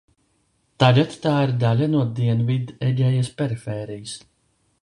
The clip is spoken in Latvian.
Tagad tā ir daļa no Dienvidegejas perifērijas.